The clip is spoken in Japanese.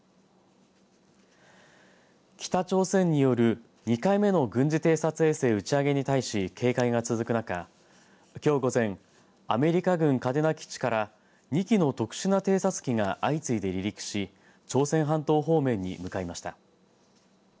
北朝鮮による２回目の軍事偵察衛星打ち上げに対し警戒が続く中きょう午前アメリカ軍嘉手納基地から２機の特殊な偵察機が相次いで離陸し朝鮮半島方面に向かいました。